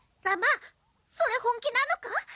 乱馬それ本気なのか？